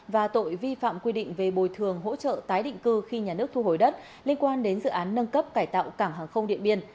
và tội vi phạm quy định về bồi thường hỗ trợ tái định cư khi nhà nước thu hồi đất liên quan đến dự án nâng cấp cải tạo cảng hàng không điện biên